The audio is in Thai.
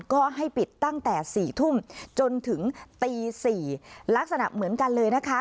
ก็ให้ปิดตั้งแต่๔ทุ่มจนถึงตี๔ลักษณะเหมือนกันเลยนะคะ